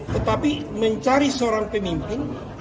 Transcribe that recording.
tetapi mencari seorang pemimpin